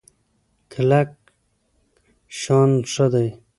کلک شان ښه دی.